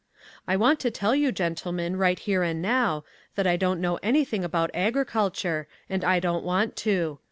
I want to tell you, gentlemen, right here and now, that I don't know anything about agriculture and I don't want to.